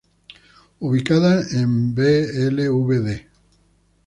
Ubicada en Blvd.